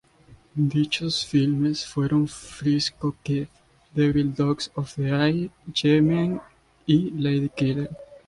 Dichos filmes fueron "Frisco Kid", "Devil Dogs of the Air", "G-Men" y "Lady Killer".